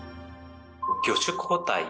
魚種交代。